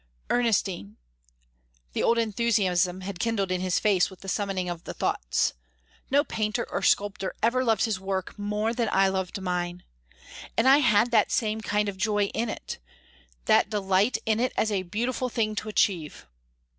"Ernestine," the old enthusiasm had kindled in his face with the summoning of the thoughts "no painter or sculptor ever loved his work more than I loved mine. And I had that same kind of joy in it; that delight in it as a beautiful thing to achieve.